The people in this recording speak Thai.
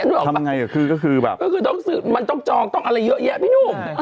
ทำไงก็คือมันต้องซื้อมันจองต้องอะไรเยอะแยะพี่หนุ่ม